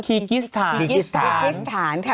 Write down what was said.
คีกิซธาตุ